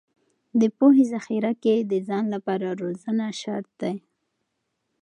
د پوهې ذخیره کې د ځان لپاره روزنه شرط دی.